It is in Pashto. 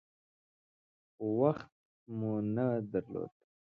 خو وخت مو نه درلود .